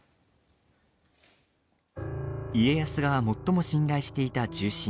家康が最も信頼していた重臣